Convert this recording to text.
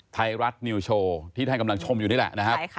ไทยรัฐนิวโชว์ที่ท่านกำลังชมอยู่นี่แหละนะครับ